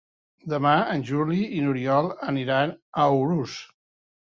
Demà en Juli i n'Oriol aniran a Urús.